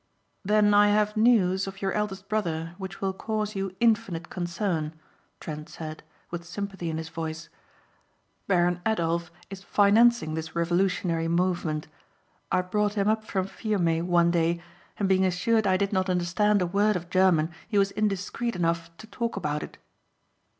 "Then I have news of your eldest brother which will cause you infinite concern," Trent said, with sympathy in his voice. "Baron Adolf is financing this revolutionary movement. I brought him up from Fiume one day and being assured I did not understand a word of German he was indiscreet enough to talk about it."